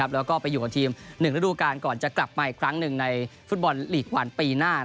แล้วก็ไปอยู่กับทีม๑ฤดูการก่อนจะกลับมาอีกครั้งหนึ่งในฟุตบอลลีกวันปีหน้า